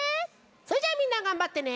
それじゃあみんながんばってね。